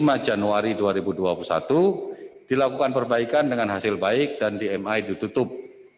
pada lima januari dua ribu dua puluh satu dilakukan perbaikan dengan hasil baik dan dmi ditutup